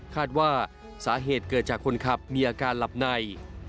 คาดว่าสาเหตุเกิดจากคนขับมีอาการหลับใน